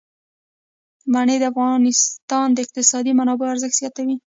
منی د افغانستان د اقتصادي منابعو ارزښت زیاتوي.